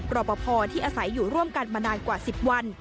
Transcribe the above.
รอปภที่อาศัยอยู่ร่วมกันมานานกว่า๑๐วัน